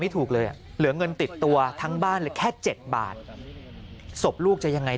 ถูกเลยอ่ะเหลือเงินติดตัวทั้งบ้านเลยแค่๗บาทศพลูกจะยังไง